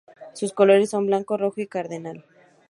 Sus colores son blanco y rojo cardenal.